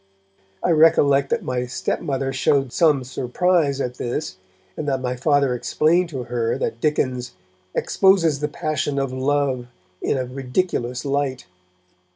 I recollect that my stepmother showed some surprise at this, and that my Father explained to her that Dickens 'exposes the passion of love in a ridiculous light.'